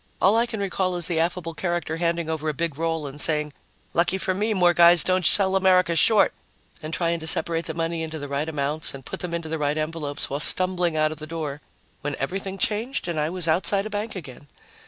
All I can recall is the affable character handing over a big roll and saying, "Lucky for me more guys don't sell America short," and trying to separate the money into the right amounts and put them into the right envelopes, while stumbling out the door, when everything changed and I was outside a bank again.